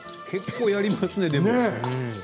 結構やりますね、でも。